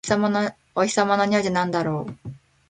お日様のにおいってなんだろう？